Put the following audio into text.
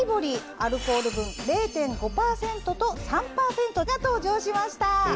アルコール分０．５％と３％が登場しました。